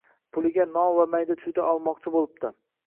Puliga non va mayda-chuyda olmoqchi boʻlibdi.